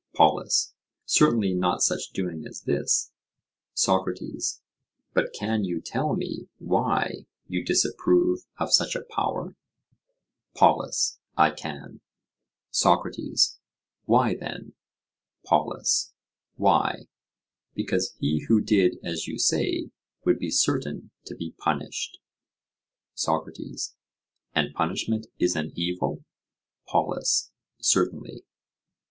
POLUS: Certainly not such doing as this. SOCRATES: But can you tell me why you disapprove of such a power? POLUS: I can. SOCRATES: Why then? POLUS: Why, because he who did as you say would be certain to be punished. SOCRATES: And punishment is an evil? POLUS: Certainly.